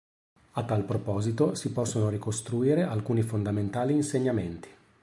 A tal proposito si possono ricostruire alcuni fondamentali insegnamenti.